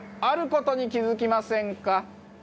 ある事に気付きませんか？